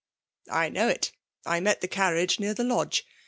*'*' I knotv it. I met the carriage near the lodge.